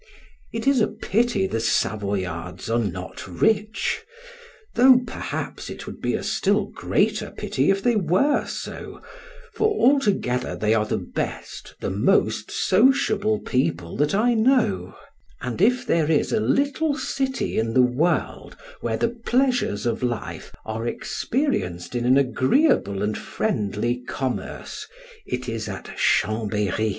It is a pity the Savoyards are not rich: though, perhaps, it would be a still greater pity if they were so, for altogether they are the best, the most sociable people that I know, and if there is a little city in the world where the pleasures of life are experienced in an agreeable and friendly commerce, it is at Chambery.